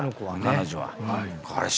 彼女は。